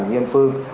như anh huyền phương